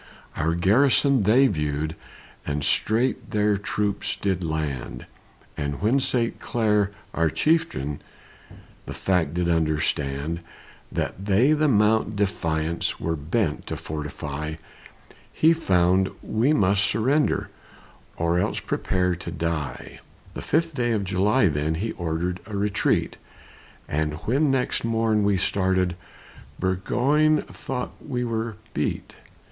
Our garrison, they viewed them, And straight their troops did land; And when St. Clair, our chieftain, The fact did understand, That they the Mount Defiance Were bent to fortify, He found we must surrender, Or else prepare to die. The fifth day of July, then, He ordered a retreat; And when next morn we started, Burgoyne thought we were beat.